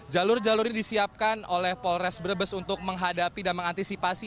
jalur jalur ini disiapkan oleh polres brebes untuk menghadapi dan mengantisipasi